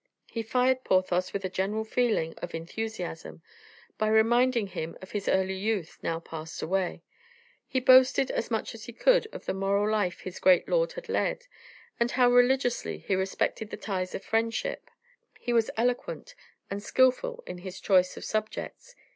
He fired Porthos with a generous feeling of enthusiasm by reminding him of his early youth now passed away; he boasted as much as he could of the moral life this great lord had led, and how religiously he respected the ties of friendship; he was eloquent, and skillful in his choice of subjects.